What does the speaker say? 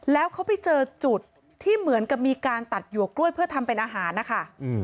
แล้วเขาไปเจอจุดที่เหมือนกับมีการตัดหยวกกล้วยเพื่อทำเป็นอาหารนะคะ